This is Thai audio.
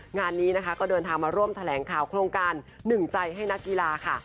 งานนี้นะคะก็เดินทางมาร่วมแถลงข่าวโครงการหนึ่งใจให้นักกีฬาค่ะ